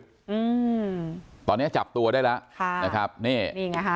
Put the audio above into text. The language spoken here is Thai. อืมตอนเนี้ยจับตัวได้แล้วค่ะนะครับนี่นี่ไงฮะ